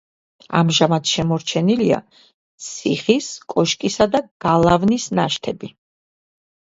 ამჟამად შემორჩენილია ციხის კოშკისა და გალავნის ნაშთები.